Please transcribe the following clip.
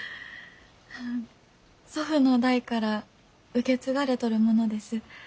祖父の代から受け継がれとるものです。